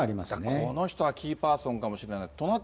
この人はキーパーソンになってくるかもしれない。